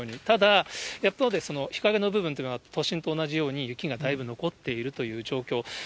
ただ、やっぱり日陰の部分というのは都心と同じように雪がだいぶ残っているという状況。